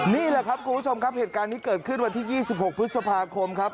นี่แหละครับคุณผู้ชมครับเหตุการณ์นี้เกิดขึ้นวันที่๒๖พฤษภาคมครับ